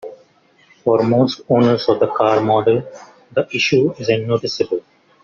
For most owners of the car model, the issue isn't noticeable.